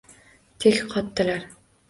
Tek qotdilar.